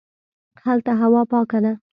هلته هوا پاکه ده